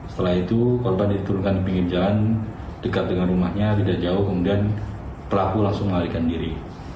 setelah itu korban diturunkan di pinggir jalan dekat dengan rumahnya tidak jauh kemudian pelaku langsung melarikan diri